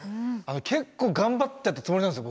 結構頑張ってたつもりなんですよ